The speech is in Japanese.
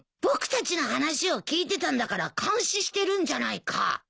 僕たちの話を聞いてたんだから監視してるんじゃないか。